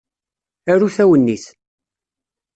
Arut awennit.